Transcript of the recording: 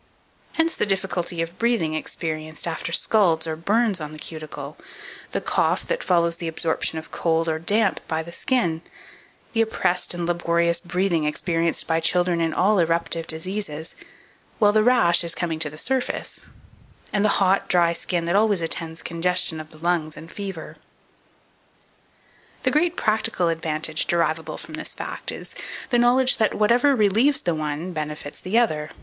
2455. _Hence the difficulty of breathing experienced after scalds or burns on the cuticle, the cough that follows the absorption of cold or damp by the skin, the oppressed and laborious breathing experienced by children in all eruptive diseases, while the rash is coming to the surface, and the hot, dry skin that always attends congestion of the lungs, and fever._ 2456. The great practical advantage derivable from this fact is, the knowledge that whatever relieves the one benefits the other.